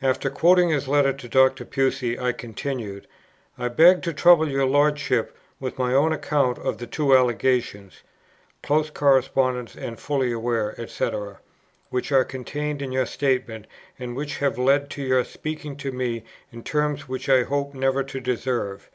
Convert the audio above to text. After quoting his Letter to Dr. Pusey, I continued, "I beg to trouble your Lordship with my own account of the two allegations" [close correspondence and fully aware, &c.] "which are contained in your statement, and which have led to your speaking of me in terms which I hope never to deserve.